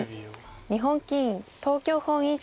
日本棋院東京本院所属。